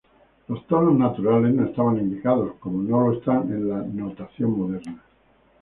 Los tonos naturales no estaban indicados, como no lo están en la notación moderna.